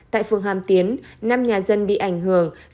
tại phường hàm tiến năm nhà dân bị ảnh hưởng